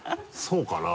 そうかな？